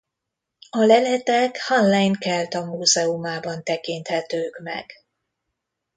A leletek Hallein kelta múzeumában tekinthetők meg.